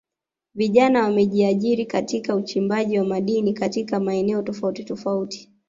Vijana wamejiajiri katika uchimbaji wa madini katika maeneo tofauti tofauti